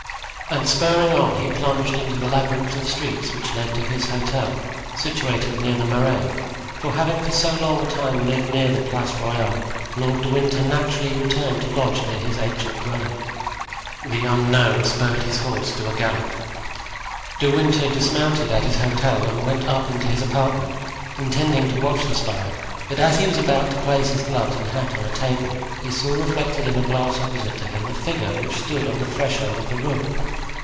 And spurring on he plunged into the labyrinth of streets which led to his hotel, situated near the Marais, for having for so long a time lived near the Place Royale, Lord de Winter naturally returned to lodge near his ancient dwelling. The unknown spurred his horse to a gallop. De Winter dismounted at his hotel and went up into his apartment, intending to watch the spy; but as he was about to place his gloves and hat on a table, he saw reflected in a glass opposite to him a figure which stood on the threshold of the room.